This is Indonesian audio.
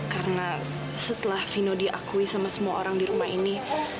karena setelah vino diakui sama semua orang di rumah ini